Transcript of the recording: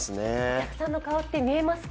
お客さんの顔って見えますか？